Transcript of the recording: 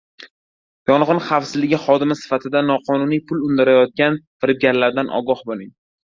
Yong‘in xavfsizligi xodimi sifatida noqonuniy pul undirayotgan firibgarlardan ogoh bo‘ling